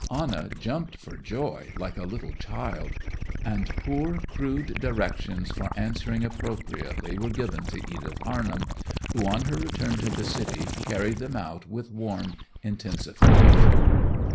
Anna jumped for joy like a little child. And poor, crude directions for answering appropriately were given to Edith Harnham, who on her return to the city carried them out with warm intensification.